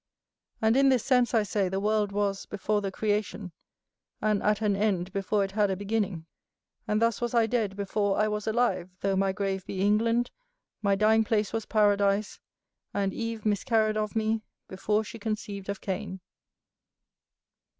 And in this sense, I say, the world was before the creation, and at an end before it had a beginning. And thus was I dead before I was alive; though my grave be England, my dying place was Paradise; and Eve miscarried of me, before she conceived of Cain.